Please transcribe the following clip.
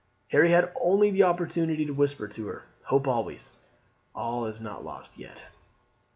Harry had only the opportunity to whisper to her "Hope always, all is not lost yet."